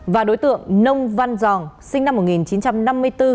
và đối tượng nông văn giòn sinh năm một nghìn chín trăm năm mươi bốn